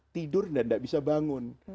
tidur dan tidak bisa bangun